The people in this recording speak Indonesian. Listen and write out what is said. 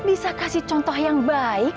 bisa kasih contoh yang baik